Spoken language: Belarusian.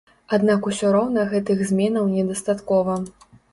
Аднак усё роўна гэтых зменаў недастаткова.